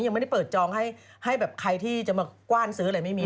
ยังไม่ได้เปิดจองให้แบบใครที่จะมากว้านซื้ออะไรไม่มี